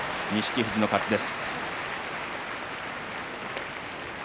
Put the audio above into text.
富士の勝ちです。